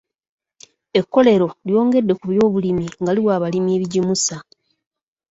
Ekkolero lyongedde ku byobulimi nga liwa abalimi ebigimusa.